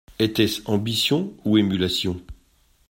Était-ce ambition ou émulation ?